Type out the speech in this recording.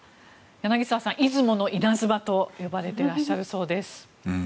柳澤さん、出雲のイナズマと呼ばれていらっしゃるそうです。